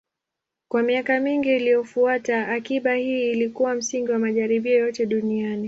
Kwa miaka mingi iliyofuata, akiba hii ilikuwa msingi wa majaribio yote duniani.